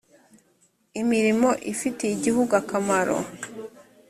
imirimo ifitiye igihugu akamaro